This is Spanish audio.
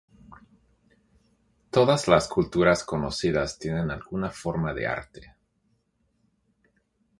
Todas las culturas conocidas tienen alguna forma de arte.